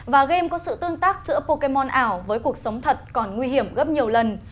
và game có sự tương tác giữa pokemon ảo với cuộc sống thật còn nguy hiểm gấp nhiều lần